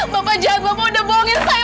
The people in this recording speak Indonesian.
bapak jahat bapak udah bohongin saya